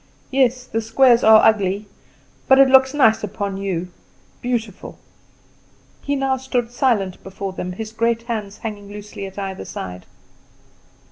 "Yes, the squares are ugly; but it looks nice upon you beautiful." He now stood silent before them, his great hands hanging loosely at either side.